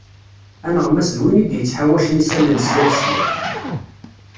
Aneɣmas d win id-yettḥawacen isallen sya d sya.